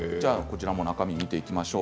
中身を見ていきましょう。